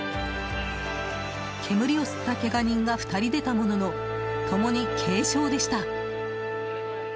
煙を吸ったけが人が２人出たものの共に軽傷でした。